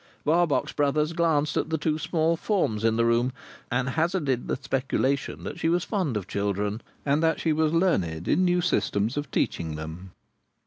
Barbox Brothers glanced at the two small forms in the room, and hazarded the speculation that she was fond of children, and that she was learned in new systems of teaching them?